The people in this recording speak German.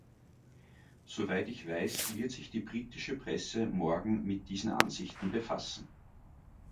Soweit ich weiß, wird sich die britische Presse morgen mit diesen Ansichten befassen.